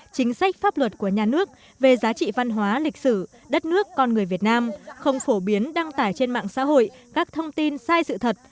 chính sách pháp luật của nhà nước về giá trị văn hóa lịch sử đất nước con người việt nam không phổ biến đăng tải trên mạng xã hội các thông tin sai sự thật